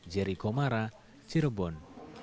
jeri komara cirebon